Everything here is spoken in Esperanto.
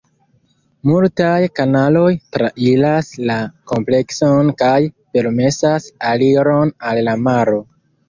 Multaj kanaloj trairas la komplekson kaj permesas aliron al la maro.